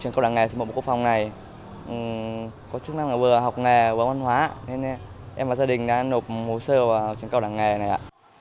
trường cao đẳng nghề số bộ quốc phòng này có chức năng là vừa học nghề vừa văn hóa nên em và gia đình đã nộp hồ sơ vào trường cao đẳng nghề này ạ